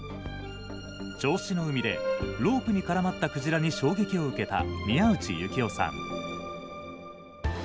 銚子の海でロープに絡まったクジラに衝撃を受けた宮内幸雄さん。